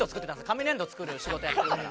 紙粘土を作る仕事やってるから。